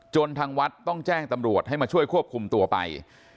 ทางวัดต้องแจ้งตำรวจให้มาช่วยควบคุมตัวไป